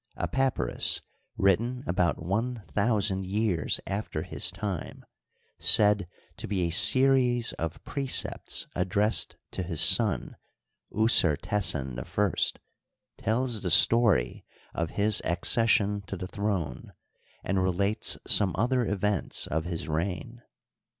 A papyrus, written about one thousand years after his time, said to be a series of precepts addressed to his son, Usertesen I, tells the story of his accession to the throne, and relates some other events of his reign.